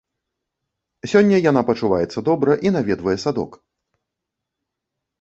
Сёння яна пачуваецца добра і наведвае садок.